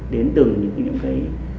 đến từng những cái